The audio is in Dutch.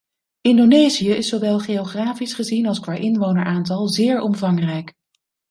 Indonesië is zowel geografisch gezien als qua inwoneraantal zeer omvangrijk.